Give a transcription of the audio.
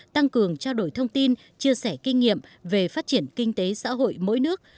tăng cường trao đổi thông tin chia sẻ kinh nghiệm về phát triển kinh tế xã hội mỗi nước